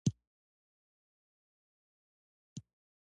ځمکه د افغانستان په ستراتیژیک اهمیت کې پوره رول لري.